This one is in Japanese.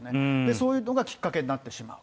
そういうのがきっかけになってしまう。